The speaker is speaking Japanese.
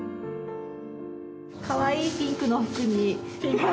かわいいピンクの服に。